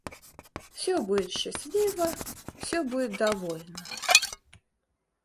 Все будет счастливо, все будет довольно.